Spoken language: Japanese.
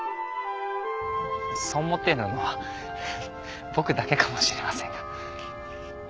そう思ってるのは僕だけかもしれませんが。